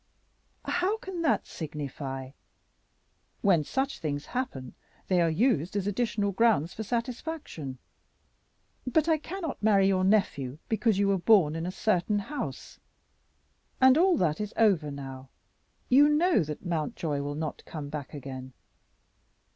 "How can that signify? When such things happen they are used as additional grounds for satisfaction. But I cannot marry your nephew because you were born in a certain house. And all that is over now: you know that Mountjoy will not come back again."